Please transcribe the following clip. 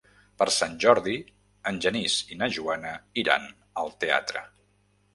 Per Sant Jordi en Genís i na Joana iran al teatre.